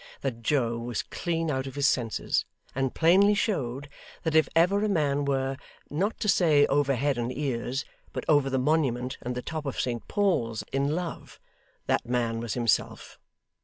that Joe was clean out of his senses, and plainly showed that if ever a man were not to say over head and ears, but over the Monument and the top of Saint Paul's in love, that man was himself.